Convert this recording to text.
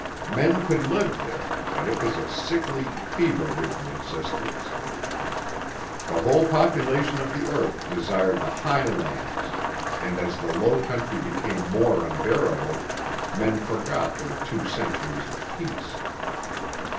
Men could live there, but it was a sickly, fever ridden existence. The whole population of the earth desired the high lands and as the low country became more unbearable, men forgot their two centuries of peace.